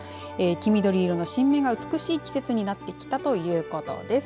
緑色の新芽が美しい季節になってきたということです。